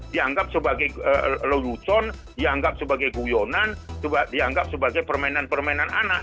dianggap sebagai lelucon dianggap sebagai guyonan dianggap sebagai permainan permainan anak